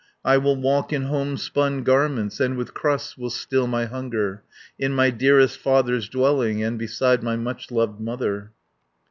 I will walk in home spun garments, And with crusts will still my hunger, In my dearest father's dwelling, And beside my much loved mother."